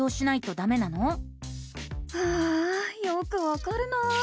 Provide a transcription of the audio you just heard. ああよくわかるな。